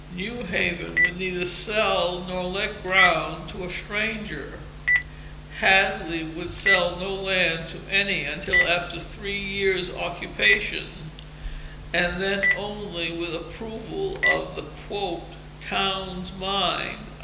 New Haven would neither sell nor let ground to a stranger. Hadley would sell no land to any until after three years' occupation, and then only with approval of the "Town's Mind."